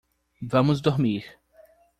Vamos dormir